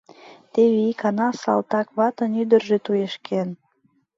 Теве икана салтакватын ӱдыржӧ туешкен.